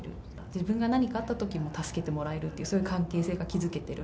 自分が何かあったときも助けてもらえるっていう、そういう関係性が築けてる。